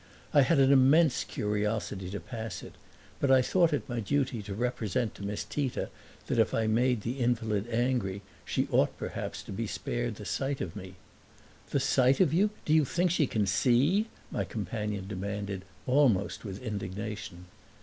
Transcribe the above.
I had an immense curiosity to pass it, but I thought it my duty to represent to Miss Tita that if I made the invalid angry she ought perhaps to be spared the sight of me. "The sight of you? Do you think she can SEE?" my companion demanded almost with indignation.